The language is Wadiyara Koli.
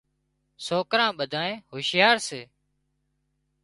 سوڪران ٻڌانئين هوشيار سي